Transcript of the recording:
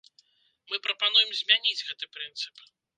Мы прапануем змяніць гэты прынцып.